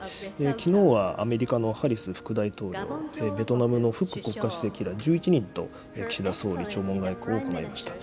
きのうはアメリカのハリス副大統領、ベトナムのフック国家主席ら１１人と岸田総理、弔問外交を行いました。